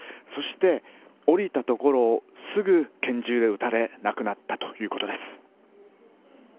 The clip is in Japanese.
そして降りたところをすぐ拳銃で撃たれ、亡くなったということです。